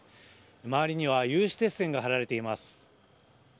周りには有刺鉄線が張られています。